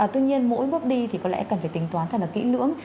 tuy nhiên mỗi bước đi thì có lẽ cần phải tính toán thật là kỹ lưỡng